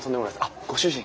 あっご主人？